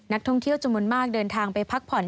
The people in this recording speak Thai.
ท่องเที่ยวจำนวนมากเดินทางไปพักผ่อน